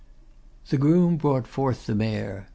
The groom brought forth the mare.